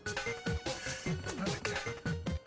何だっけ？